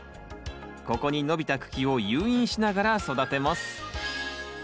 ここに伸びた茎を誘引しながら育てます。